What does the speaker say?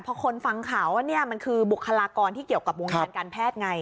พอคนฟังข่าวว่านี่มันคือบุคลากรที่เกี่ยวกับวงการการแพทย์ไง